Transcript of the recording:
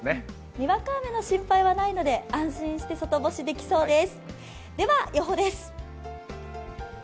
にわか雨の心配はないので安心して外干しできそうです。